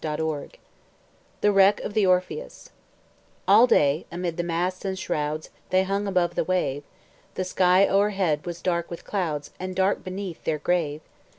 POPE THE WRECK OF THE ORPHEUS All day, amid the masts and shrouds, They hung above the wave; The sky o'erhead was dark with clouds, And dark beneath, their grave.